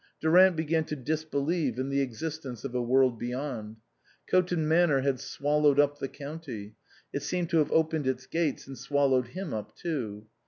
Durant began to disbelieve in the existence of a world beyond. Coton Manor had swallowed up the county ; it seemed to have opened its gates and swallowed him up too.